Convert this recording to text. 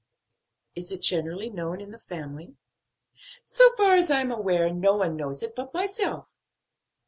"Is it generally known in the family?" "So far as I am aware, no one knows it but myself."